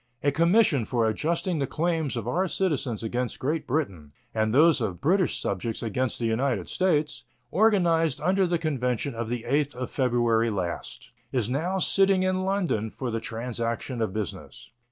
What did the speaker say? A commission for adjusting the claims of our citizens against Great Britain and those of British subjects against the United States, organized under the convention of the 8th of February last, is now sitting in London for the transaction of business.